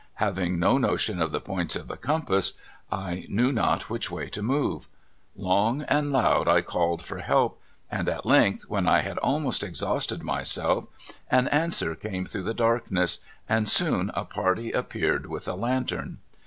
Having no notion of the points of the compass, I knew not which way to move. Long and loud I called for help, and at length, when I had almost exhausted myself, an answer came through the darkness, and soon a party appeared with a lantern.